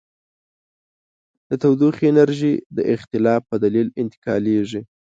د تودوخې انرژي د اختلاف په دلیل انتقالیږي.